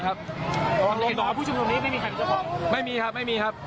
รู้ว่า